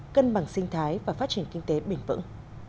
cân bằng sinh thái và phát triển kinh tế bền vững